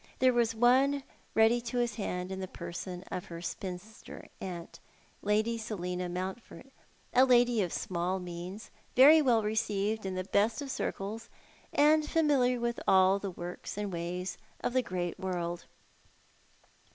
There was one ready to his hand in the person of her spinster aunt, Lady Seliua Mountford, a lady of small means, very well received iu the very best circle, and familiar with all the works and ways of the great world.